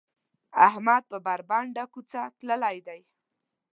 احمد په بنده کوڅه تللی دی.